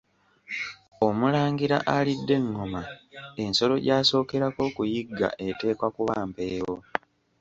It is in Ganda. Omulangira alidde engoma ensolo gy’asookerako okuyigga eteekwa kuba mpeewo.